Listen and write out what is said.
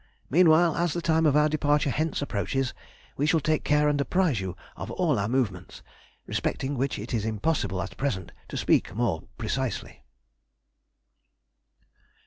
Meanwhile, as the time of our departure hence approaches, we shall take care and apprise you of all our movements, respecting which it is impossible at present to speak more precisely.